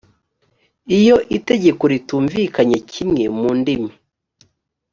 iyo itegeko ritumvikanye kimwe mu ndimi